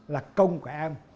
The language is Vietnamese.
là công của em